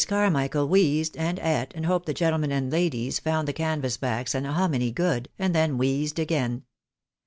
Carmichael wheezed, and eat, and hoped the gentlemen and ladies found the canvas backs and the hominy good, and then wheezed again.